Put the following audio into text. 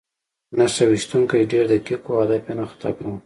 نښه ویشتونکی ډېر دقیق و او هدف یې نه خطا کاوه